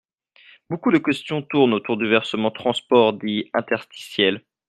Beaucoup de questions tournent autour du versement transport dit interstitiel.